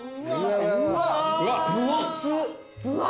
分厚っ！